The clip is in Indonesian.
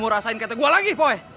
lu mau rasain ketek gua lagi poe